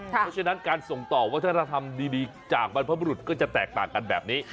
เพราะฉะนั้นการส่งต่อวัฒนธรรมดีจากบรรพบรุษก็จะแตกต่างกันแบบนี้